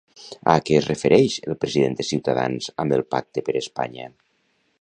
A què es refereix el president de Ciutadans amb el pacte per Espanya?